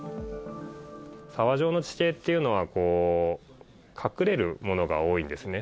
沢状の地形というのは、隠れるものが多いんですね。